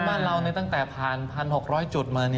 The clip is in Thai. บ้านเราตั้งแต่ผ่าน๑๖๐๐จุดมา